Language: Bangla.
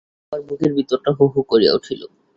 আমার বুকের ভিতরটা হুহু করিয়া উঠিল।